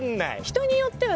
人によっては。